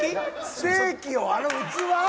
ステーキをあの器！？